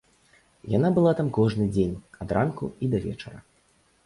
Яна была там кожны дзень, адранку і да вечара.